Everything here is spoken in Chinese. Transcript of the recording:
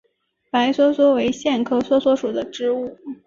白梭梭为苋科梭梭属的植物。